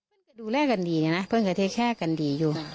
เพื่อนจะดูแลกันดีนะเพื่อนจะแท้แค่กันดีอยู่